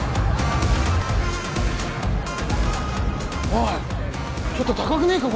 おいちょっと高くねえか？